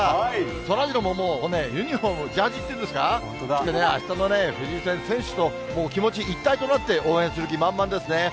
そらジローももうね、ユニホーム、ジャージっていうんですか、着てね、あしたのフィジー戦の選手と気持ち一体となって、応援する気、満々ですね。